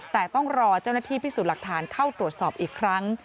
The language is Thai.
แต่ต้องรอเจ้าหน้าที่พิสูจน์หลักฐานเข้าตรวจสอบอีกครั้ง